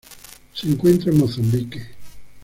Se encuentra en Mozambique.